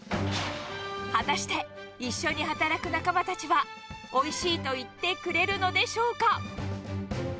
果たして、一緒に働く仲間たちは、おいしいと言ってくれるのでしょうか。